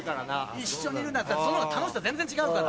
一緒にいるんだったらそのほうが楽しさ全然違うから。